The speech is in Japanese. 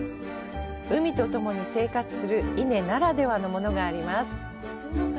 海とともに生活する伊根ならではのものがあります。